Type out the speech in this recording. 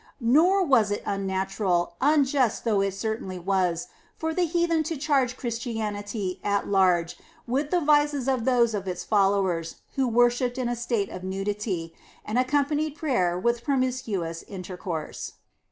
Nor was it unnatural, unjust though it certainly was, for the heathen to charge Christianity at large with the vices of those of its followers who worshiped in a state of nudity, and accompanied prayer with promiscuous intercourse.